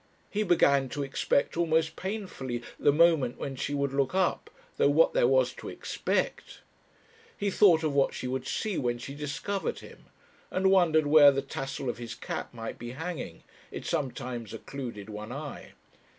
He began to expect almost painfully the moment when she would look up, though what there was to expect ! He thought of what she would see when she discovered him, and wondered where the tassel of his cap might be hanging it sometimes occluded one eye.